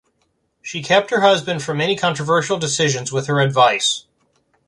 She kept her husband from many controversial decisions with her advice.